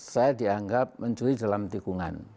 saya dianggap mencuri dalam tikungan